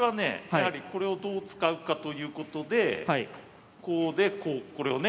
やはりこれをどう使うかということでこうでこうこれをね